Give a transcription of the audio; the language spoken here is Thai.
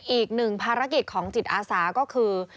อีกหนึ่งภารกิจของจิตอาสาก็คือ